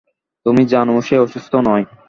তুমি জানো সে অসুস্থ নয়।